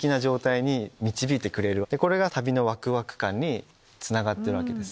これが旅のワクワク感につながってるわけです。